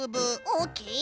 オッケー。